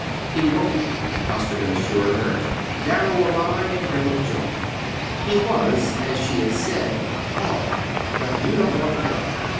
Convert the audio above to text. "He won't," Costigan assured her, narrow of eye and grim of jaw. He was, as she had said, hard. "But you don't want a gun.